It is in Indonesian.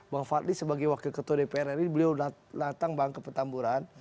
bang fadli sebagai wakil ketua dpr ri beliau datang bang ke petamburan